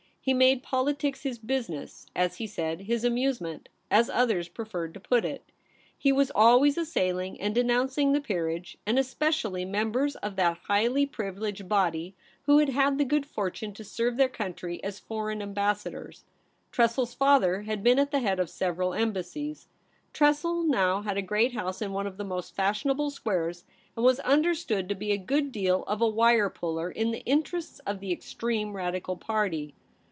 He made poli tics his business, as he said — his amusement, as others preferred to put it. He was always assailing and denouncing the Peerage, and especially members of that highly privileged 124 THE REBEL ROSE. body who had had the good fortune to serve their country as foreign ambassadors. Tressel's father had been at the head of several embassies. Tressel now had a great house in one of the most fashionable squares, and was understood to be a good deal of a wire puller in the interests of the extreme Radical Party.